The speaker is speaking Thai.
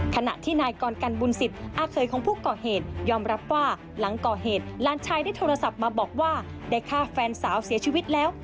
ขณะที่นายกรกันบุญสิทธิ์อาเคยของผู้ก่อเหตุยอมรับว่าหลังก่อเหตุหลานชายได้โทรศัพท์มาบอกว่าได้ฆ่าแฟนสาวเสียชีวิตแล้ว